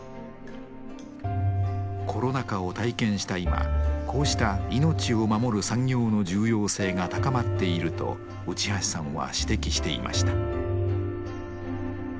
コロナ禍を体験した今こうした命を守る産業の重要性が高まっていると内橋さんは指摘していました。